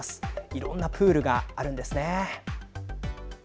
いろんなプールがあるんですね。